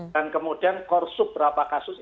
dan kemudian korsup berapa kasus